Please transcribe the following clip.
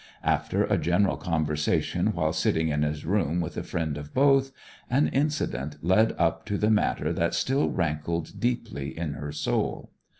After a general conversation while sitting in his room with a friend of both, an incident led up to the matter that still rankled deeply in her soul.